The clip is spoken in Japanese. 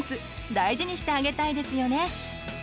大事にしてあげたいですよね！